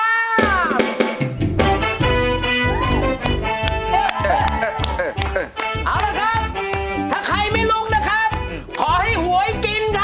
เอาละครับถ้าใครไม่ลุกนะครับขอให้หวยกินครับ